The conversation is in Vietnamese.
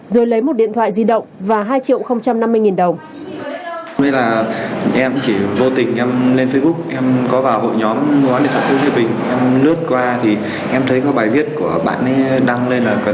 rồi lấy một điện thoại di động và hai triệu năm mươi nghìn đồng